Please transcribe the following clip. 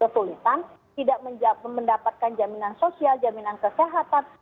kesulitan tidak mendapatkan jaminan sosial jaminan kesehatan